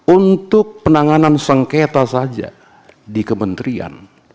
untuk penanganan sengketa saja di kementerian